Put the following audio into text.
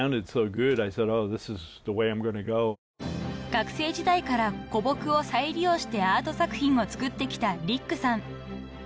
［学生時代から古木を再利用してアート作品を作ってきたリックさん］